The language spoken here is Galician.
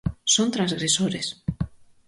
Son transgresores.